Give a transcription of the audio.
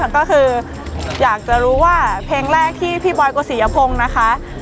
ก็คืออยากจะรู้ว่าเพลงแรกที่พี่บอยกุศียพงศ์นะคะ